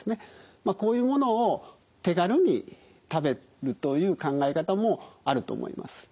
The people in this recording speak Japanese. まあこういうものを手軽に食べるという考え方もあると思います。